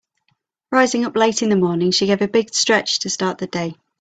Rising up late in the morning she gave a big stretch to start the day.